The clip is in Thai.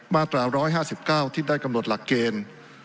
มาตรา๑๕๙ที่ได้กำหนดหลักเกณฑ์